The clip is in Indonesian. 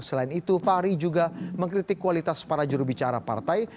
selain itu fahri juga mengkritik kualitas para jurubicara partai